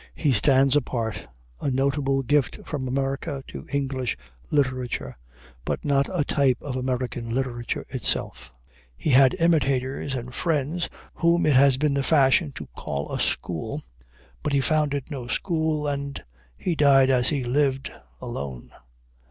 He stands apart, a notable gift from America to English literature, but not a type of American literature itself. He had imitators and friends, whom it has been the fashion to call a school, but he founded no school, and died as he had lived, alone.